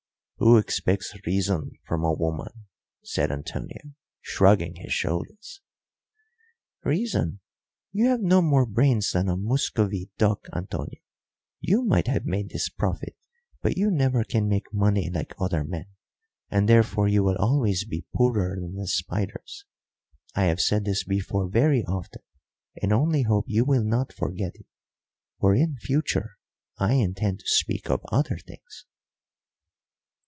"Who expects reason from a woman?" said Antonio, shrugging his shoulders. "Reason! you have no more brains than a Muscovy duck, Antonio. You might have made this profit, but you never can make money like other men, and therefore you will always be poorer than the spiders. I have said this before very often, and only hope you will not forget it, for in future I intend to speak of other things."